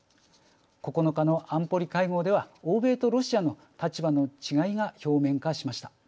９日の安保理会合では欧米とロシアの立場の違いが表面化しました。